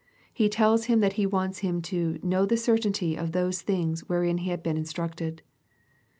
He tells him that he wants him to ^^ know the certainty of those things wherein he had been instructed.''